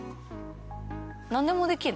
なんでもできる。